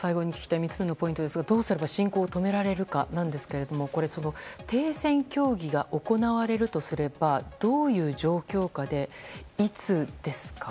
３つ目のポイントですがどうすれば侵攻を止められるかなんですが停戦協議が行われるとすればどういう状況下で、いつですか？